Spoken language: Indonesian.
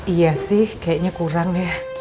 iya sih kayaknya kurang ya